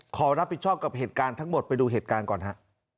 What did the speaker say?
ขอรับผิดชอบกับเหตุการณ์ทั้งหมดไปดูเหตุการณ์ก่อนฮะ